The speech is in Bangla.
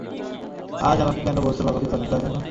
আজ আমাকে কেন বলছো বাবাকে চাদর দেওয়ার জন্য?